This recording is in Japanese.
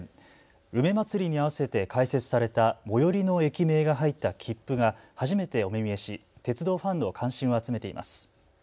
梅まつりに合わせて開設された最寄りの駅名が入った切符が初めてお目見えし鉄道ファンの関心を集めています。